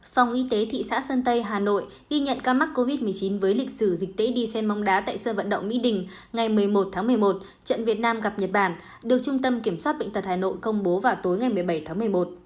phòng y tế thị xã sơn tây hà nội ghi nhận ca mắc covid một mươi chín với lịch sử dịch tễ đi xem bóng đá tại sân vận động mỹ đình ngày một mươi một tháng một mươi một trận việt nam gặp nhật bản được trung tâm kiểm soát bệnh tật hà nội công bố vào tối ngày một mươi bảy tháng một mươi một